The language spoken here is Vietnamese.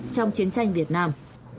trong chiến tranh việt nam